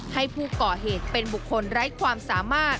ให้ผู้ก่อเหตุเป็นบุคคลไร้ความสามารถ